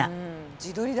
自撮りだ。